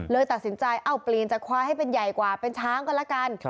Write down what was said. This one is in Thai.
เลยตัดสินใจเอาเปลี่ยนจากควายให้เป็นใหญ่กว่าเป็นช้างก็ละกัน